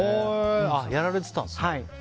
やられてたんですね。